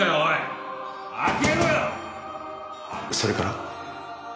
それから？